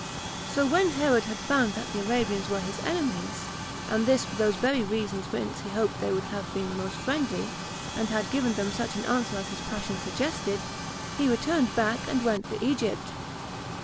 So when Herod had found that the Arabians were his enemies, and this for those very reasons whence he hoped they would have been the most friendly, and had given them such an answer as his passion suggested, he returned back, and went for Egypt.